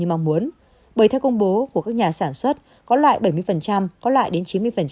bởi theo công bố của các nhà sản xuất có loài bảy mươi có loài đến chín mươi